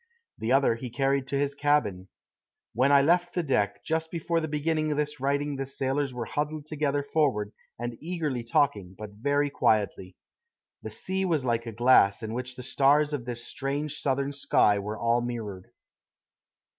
The other he carried to his cabin. When I left the deck just before beginning this writing the sailors were huddled together forward and eagerly talking, but very quietly. The sea was like a glass in which the stars of this strange southern sky were all mirrored.